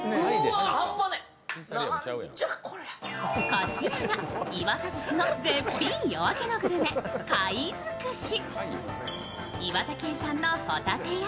こちらが岩佐寿しの絶品夜明けのグルメ、貝づくし。